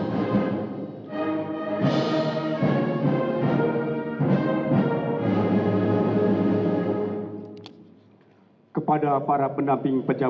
lagu kebangsaan indonesia raya